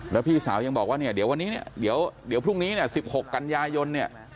แล้วพี่สาวยังบอกว่าเดี๋ยวพรุ่งนี้๑๖กันยายน